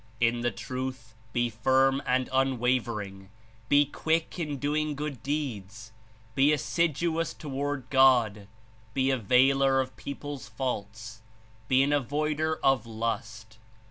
In the truth be firm and unwavering; be quick in doing good deeds; be assiduous toward God; be a veiler of people's faults; be an avoider of lust.